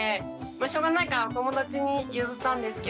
しょうがないから友達に譲ったんですけど。